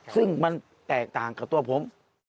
ซึ่งมันแตกต่างกับตัวผม